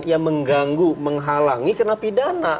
yang mengganggu menghalangi kena pidana